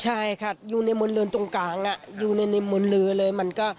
ใช่ค่ะอยู่ในมนเรือนตรงกลางอยู่ในมนเรือเลยมันก็